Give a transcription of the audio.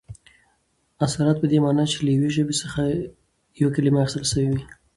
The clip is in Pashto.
اثرات په دې مانا، چي له یوې ژبي څخه یوه کلیمه اخستل سوې يي.